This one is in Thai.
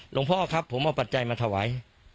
หลวงพ่อครับผมเอาปัจจัยมาถวาย